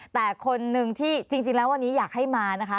แต่คนหนึ่งที่จริงแล้ววันนี้อยากให้มานะคะ